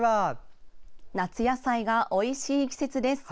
夏野菜がおいしい季節です。